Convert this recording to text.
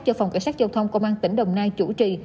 cho phòng cảnh sát giao thông công an tỉnh đồng nai chủ trì